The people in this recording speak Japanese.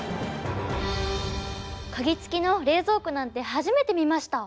鍵付きの冷蔵庫なんて初めて見ました。